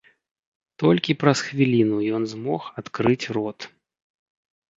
Толькі праз хвіліну ён змог адкрыць рот.